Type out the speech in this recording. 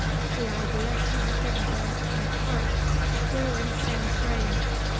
The idea she had given him in the park grew in Sam's brain.